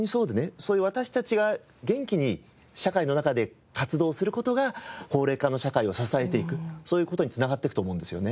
そういう私たちが元気に社会の中で活動する事が高齢化の社会を支えていくそういう事に繋がっていくと思うんですよね。